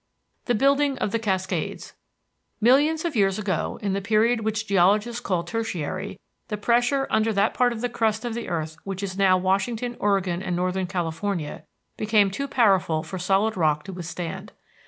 THE BUILDING OF THE CASCADES Millions of years ago, in the period which geologists call Tertiary, the pressure under that part of the crust of the earth which now is Washington, Oregon, and northern California, became too powerful for solid rock to withstand.